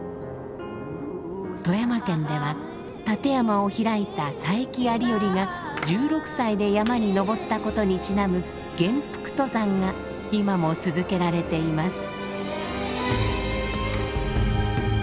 富山県では立山を開いた佐伯有頼が１６歳で山に登ったことにちなむ「元服登山」が今も続けられています。